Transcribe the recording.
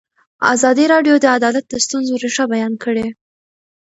ازادي راډیو د عدالت د ستونزو رېښه بیان کړې.